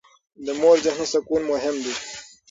د مور ذهني سکون مهم دی.